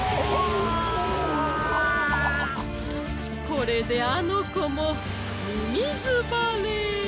これであのこもみみずばれ！